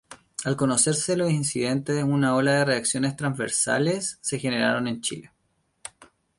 Al conocerse los incidentes, una ola de reacciones transversales se generaron en Chile.